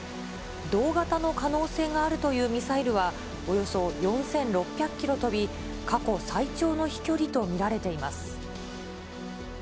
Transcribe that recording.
同型の可能性があるというミサイルは、およそ４６００キロ飛び、過去最長の飛距離と見られています。